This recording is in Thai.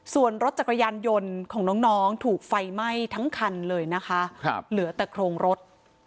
ส่วนรถจักรยานยนต์ของน้องถูกไฟไหม้ทั้งคันเลยนะคะเหลือแต่โครงรถ